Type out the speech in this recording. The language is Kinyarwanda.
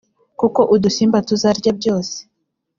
kuko udusimba tuzarya byose.